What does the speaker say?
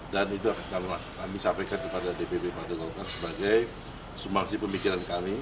dan itu akan kami sampaikan kepada dpp partai golkar sebagai sumbangsi pemikiran kami